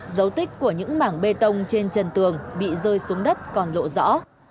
dấu tích của những mảng bê tông trên trần tường bị rơi xuống đất còn lộ rõ